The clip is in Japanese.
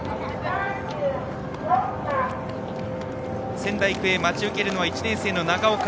仙台育英、待ち受けるのは１年生の長岡。